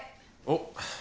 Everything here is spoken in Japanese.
おっ。